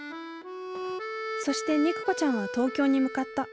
そして肉子ちゃんは東京に向かった。